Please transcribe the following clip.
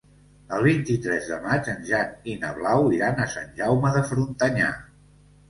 El vint-i-tres de maig en Jan i na Blau iran a Sant Jaume de Frontanyà.